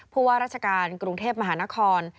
ผู้ว่าราชการกรุงเทพมหานคร